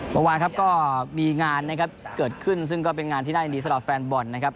เมื่อวานครับก็มีงานนะครับเกิดขึ้นซึ่งก็เป็นงานที่ได้ดีสำหรับแฟนบอลนะครับ